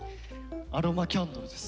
アロマキャンドルです。